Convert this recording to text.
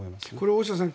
大下さん